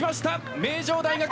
名城大学。